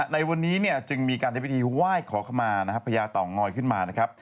ในวันนี้ด้วยจึงมีการจะผิดที่ว่ายขอข์มาพญาต่องลอยขึ้นมา